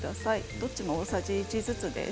どちらも大さじ１ずつです。